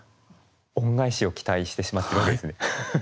恩返しを期待してしまってるわけですね。